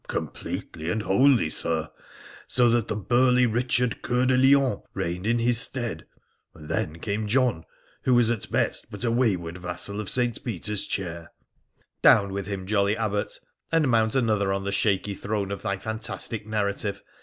' Completely and wholly, Sir, so that the burly Eichard Coeur de Lion reigned in his stead ; and then came John, who was at best but a wayward vassal of St. Peter's Chair.' ' Down with him, jolly Abbot ! And mount another on the shaky throne of thy fantastic narrative.